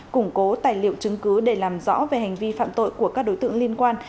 củng cố tài liệu chứng cứ để làm rõ về hành vi phạm tội của các đối tượng liên quan